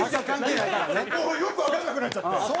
もうよくわかんなくなっちゃって。